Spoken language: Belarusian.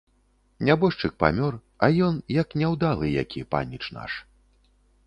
Нябожчык памёр, а ён, як няўдалы які, паніч наш.